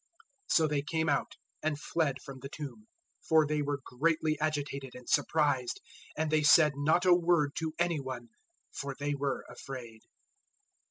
016:008 So they came out, and fled from the tomb, for they were greatly agitated and surprised; and they said not a word to any one, for they were afraid.